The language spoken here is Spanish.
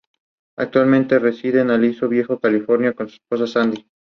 El video tiene un tema fuerte sobre la violencia y el horror.